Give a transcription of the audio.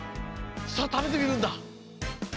さあ食べてみるんだ。